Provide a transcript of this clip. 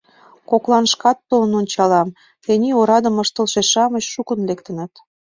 — Коклан шкат толын ончалам — тений орадым ыштылше-шамыч шукын лектыныт.